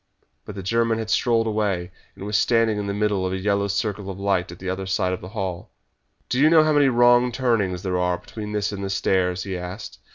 But the German had strolled away, and was standing in the middle of a yellow circle of light at the other side of the hall. "Do you know how many wrong turnings there are between this and the stairs?" he asked.